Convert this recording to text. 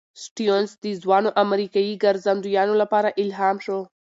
سټيونز د ځوانو امریکايي ګرځندویانو لپاره الهام شو.